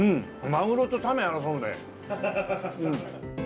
マグロとタメ争うね。